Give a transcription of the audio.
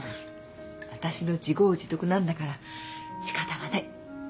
私の自業自得なんだから仕方がない。